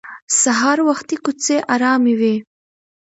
سهار وختي کوڅې ارامې وي